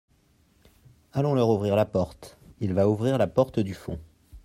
Allons leur ouvrir la porté. il va ouvrir la porte du fond.